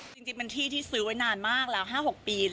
จริงเป็นที่ที่ซื้อไว้นานมากแล้ว๕๖ปี